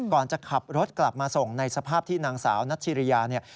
ก่อนจะขับรถกลับมาส่งในสภาพที่นางสาวนัชริยาเนี่ย